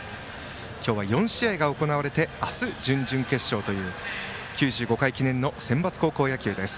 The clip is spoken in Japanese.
今日は４試合が行われて明日、準々決勝という９５回記念のセンバツ高校野球です。